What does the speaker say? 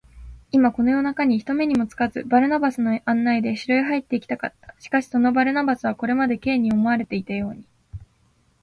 今、この夜なかに、人目にもつかず、バルナバスの案内で城へ入っていきたかった。しかし、そのバルナバスは、これまで Ｋ に思われていたように、